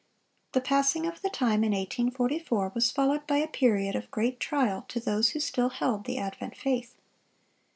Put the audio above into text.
The passing of the time in 1844 was followed by a period of great trial to those who still held the advent faith.